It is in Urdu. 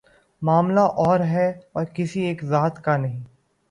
معاملہ اور ہے اور کسی ایک ذات کا نہیں۔